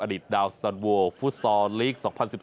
ดิตดาวสันโวฟุตซอลลีก๒๐๑๒